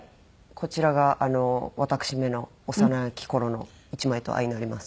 こちらが私めの幼き頃の１枚と相成ります。